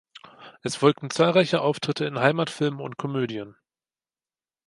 Es folgten zahlreiche Auftritte in Heimatfilmen und Komödien.